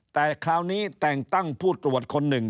แต่คราวนี้แต่งตั้งผู้ตรวจคนหนึ่ง